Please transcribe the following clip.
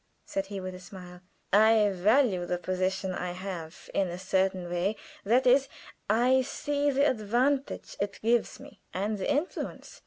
said he, with a smile. "I value the position I have, in a certain way that is, I see the advantage it gives me, and the influence.